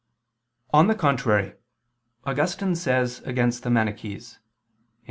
On the contrary, Augustine says against the Manichees [*Cf.